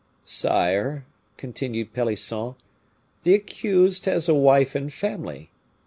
"Sire," continued Pelisson, "the accused has a wife and family.